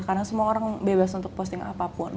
karena semua orang bebas untuk posting apapun